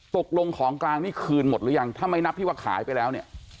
ตกลงของกลางนี่คืนหมดหรือยังถ้าไม่นับที่ว่าขายไปแล้วเนี่ย